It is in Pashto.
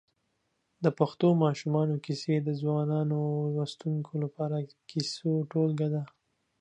د پښتو ماشومانو کیسې د ځوانو لوستونکو لپاره د کیسو ټولګه ده.